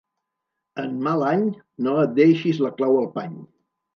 En mal any no et deixis la clau al pany.